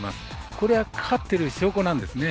これはかかってる証拠なんですね。